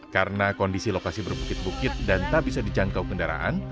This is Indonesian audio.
karena kondisi lokasi berbukit bukit dan tak bisa dijangkau kendaraan